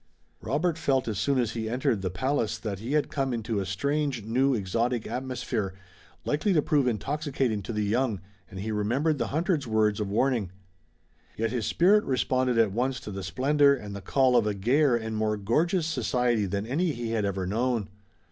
Robert felt as soon as he entered the palace that he had come into a strange, new, exotic atmosphere, likely to prove intoxicating to the young, and he remembered the hunter's words of warning. Yet his spirit responded at once to the splendor and the call of a gayer and more gorgeous society than any he had ever known.